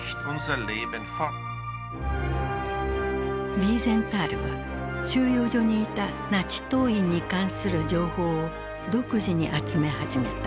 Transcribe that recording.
ヴィーゼンタールは収容所にいたナチ党員に関する情報を独自に集め始めた。